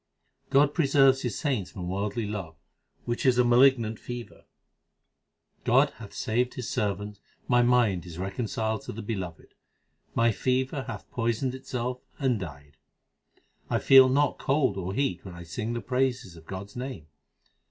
God preserves His saints from worldly love, which is a malignant fever : God hath saved His servant, My mind is reconciled to the Beloved ; my fever hath poisoned itself and died. I feel not cold or heat when I sing the praises of God s name.